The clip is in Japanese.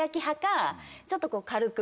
ちょっと軽く。